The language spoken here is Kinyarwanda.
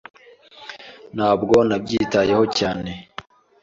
Ntabwo nabyitaho cyane.